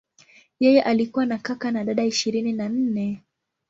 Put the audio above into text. Yeye alikuwa na kaka na dada ishirini na nne.